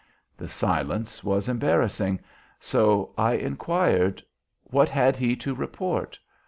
The silence was embarrassing, so I inquired, "What had he to report?"